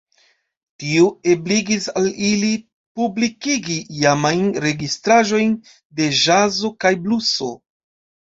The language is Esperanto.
Tio ebligis al ili publikigi iamajn registraĵojn de ĵazo kaj bluso.